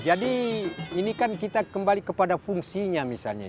jadi ini kan kita kembali kepada fungsinya misalnya